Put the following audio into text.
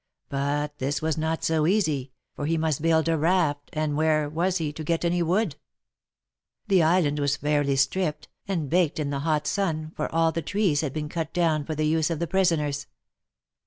But this was not so easy, for he must build a raft, and where was he to get any wood ? The island was fairly stripped, and baked in the hot sun, for all the trees had been cut down for the use of the prisoners.